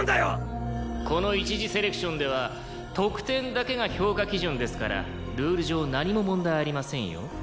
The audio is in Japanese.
この一次セレクションでは得点だけが評価基準ですからルール上何も問題ありませんよ。